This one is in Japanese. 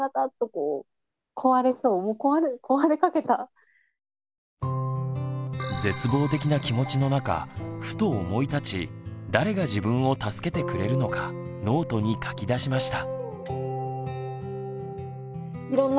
いよいよ絶望的な気持ちの中ふと思い立ち誰が自分を助けてくれるのかノートに書き出しました。